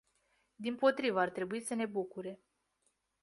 Dimpotrivă, ar trebui să ne bucure.